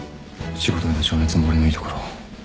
仕事への情熱も俺のいいところ。